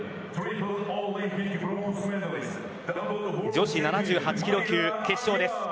女子７８キロ級決勝です。